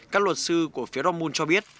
các luật sư của phía dortmund cho biết